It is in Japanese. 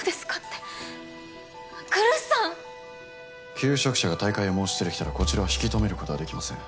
求職者が退会を申し出てきたらこちらは引き止めることはできません。